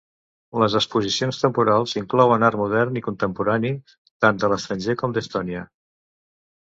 Les exposicions temporals inclouen art modern i contemporani tant de l'estranger com d'Estònia.